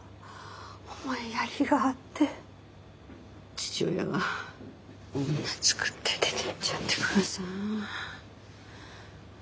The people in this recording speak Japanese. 父親が女作って出てっちゃってからさあ。